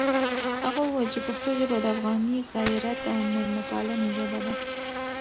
هغه وویل چې پښتو ژبه د افغاني غیرت او مېلمه پالنې ژبه ده.